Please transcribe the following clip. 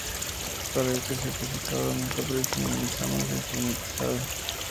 Para este certificado no está previsto ningún examen informatizado.